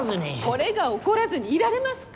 これが怒らずにいられますか！？